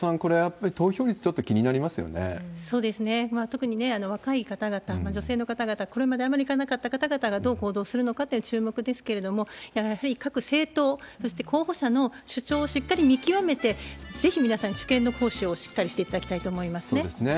特に若い方々、女性の方々、これまであまり行かなかった方々がどう行動するのかっていうのが注目ですけれども、やはり各政党、そして候補者の主張をしっかり見極めて、ぜひ皆さん、主権の公使をしっかりしていただきたいと思そうですね。